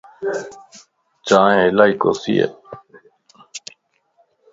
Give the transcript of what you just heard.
چائين الائي ڪوسيَ